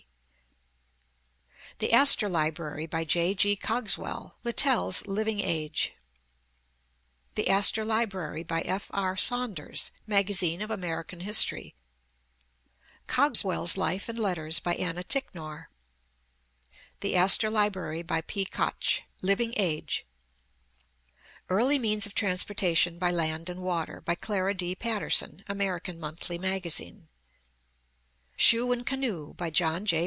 D. The Astor Library, by J. G. Cogswell, Lit tell's Living Age; The Astor Library, , by F. R. Saun ders, Magazine of American History; Cogswell's Life and Letters, by Anna Ticknor; The Astor Library, by P. Koch, Living Age; Early Means of Transportation by Land and Water, by Clara D. Patterson, American Monthly Magazine; Shoe and Canoe, by John J.